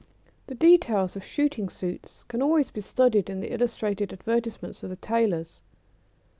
The details of shooting suits can always be studied in the illustrated advertisements of the tailors.